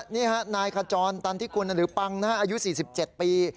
นี่ฮะนายขจรตันทิกุลหรือปังอายุ๔๗ปี